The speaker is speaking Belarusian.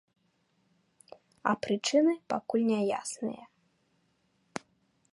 А прычыны пакуль няясныя.